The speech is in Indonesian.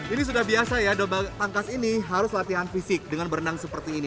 ini sudah biasa ya doba tangkas ini harus latihan fisik dengan berenang seperti ini